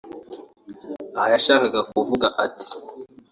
Aha yashakaga kuvuga ati